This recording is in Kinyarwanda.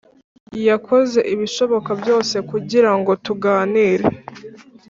Yakoze ibishoboka byose kugira ngo tuganire